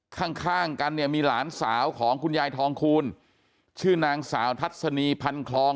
ข้างข้างกันเนี่ยมีหลานสาวของคุณยายทองคูณชื่อนางสาวทัศนีพันคลอง